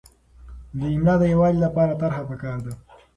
د املاء د یووالي لپاره طرحه پکار ده.